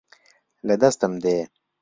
لە دەستم دێ